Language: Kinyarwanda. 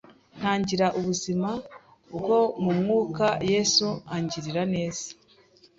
ntangira ubuzima bwo mu mwuka Yesu ingirira neza